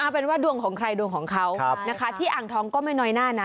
เป็นว่าดวงของใครดวงของเขานะคะที่อ่างทองก็ไม่น้อยหน้านะ